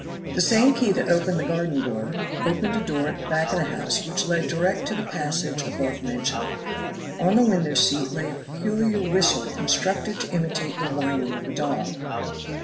The same key that opened the garden door opened a door at the back of the house which led direct to the passage above mentioned. On the window seat lay a peculiar whistle constructed to imitate the whining of a dog.